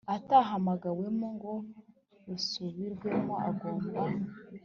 atahamagawemo ngo rusubirwemo agomba